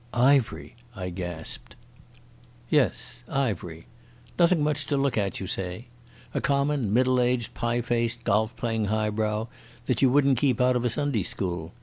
"Ivery," I gasped. "Yes. Ivery. Nothing much to look at, you say. A common, middle aged, pie faced, golf playing high brow, that you wouldn't keep out of a Sunday school.